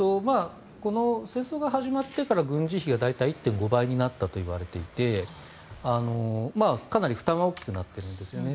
この戦争が始まってから軍事費が大体１．５倍になったといわれていてかなり負担は大きくなっているんですよね。